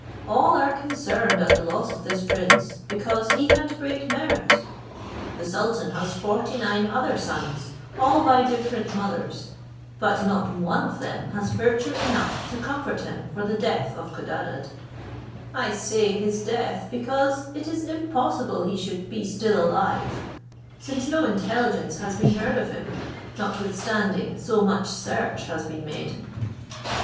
All are concerned at the loss of this prince, because he had great merit. The sultan has forty nine other sons, all by different mothers, but not one of them has virtue enough to comfort him for the death of Codadad; I say, his death, because it is impossible he should be still alive, since no intelligence has been heard of him, notwithstanding so much search has been made."